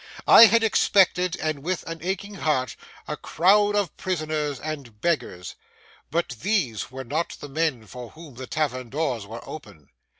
I had excepted, and with an aching heart, a crowd of prisoners and beggars; but these were not the men for whom the Tavern doors were open.